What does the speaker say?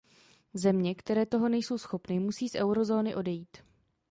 Země, které toho nejsou schopny, musí z eurozóny odejít.